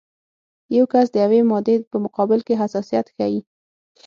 یو کس د یوې مادې په مقابل کې حساسیت ښیي.